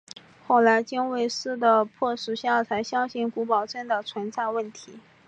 后来经卫斯理的迫使下才相信古堡真的存在问题。